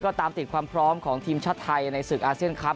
ก็ตามติดความพร้อมของทีมชาติไทยในศึกอาเซียนครับ